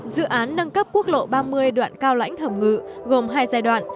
dự án nâng cấp quốc lộ ba mươi đoạn cao lãnh hồng ngự gồm hai giai đoạn